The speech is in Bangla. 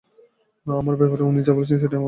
আমার ব্যাপারে উনি যা বলেছেন সেটা আমার ভালো লাগেনি।